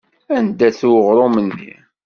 Anda-t uɣrum-nni?